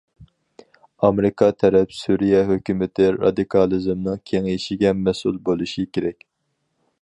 ئامېرىكا تەرەپ سۈرىيە ھۆكۈمىتى رادىكالىزمنىڭ كېڭىيىشىگە مەسئۇل بولۇشى كېرەك.